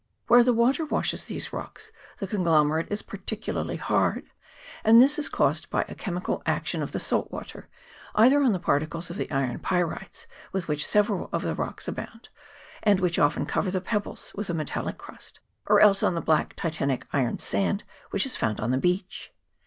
Where the water washes these rocks the conglomerate is peculiarly hard, and this is caused by a chemical action of the salt water, either on the particles of the iron pyrites, with which several of the rocks abound, and which often cover the pebbles with a metallic crust, or else on the black titanic iron sand which is found on the beach.